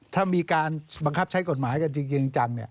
ถ้ามีการบังคับใช้กฎหมายกันจริงจัง